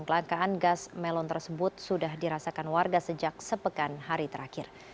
kelangkaan gas melon tersebut sudah dirasakan warga sejak sepekan hari terakhir